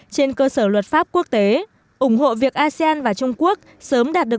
trên cơ sở luật pháp quốc tế ủng hộ việc asean và trung quốc sớm đạt được